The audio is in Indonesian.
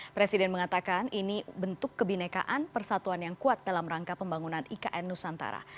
presiden mengatakan ini bentuk kebinekaan persatuan yang kuat dalam rangka pembangunan ikn nusantara